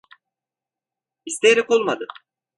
İsteyerek olmadı.